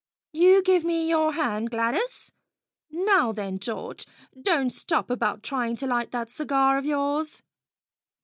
You give me your hand, Gladys. Now, then, George, don't stop about trying to light that cigar of yours."